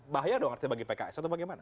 bahaya dong artinya bagi pks atau bagaimana